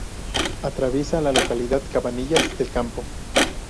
Atraviesa la localidad Cabanillas del Campo.